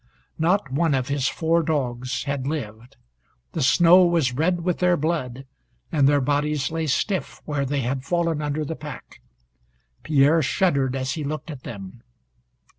Not one of his four dogs had lived. The snow was red with their blood, and their bodies lay stiff where they had fallen under the pack. Pierre shuddered as he looked at them.